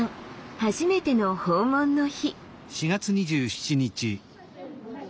初めての訪問の日。